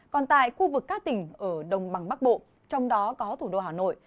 còn tại khu vực các tỉnh ở đồng bằng bắc bộ trong đó có thủ đô hà nội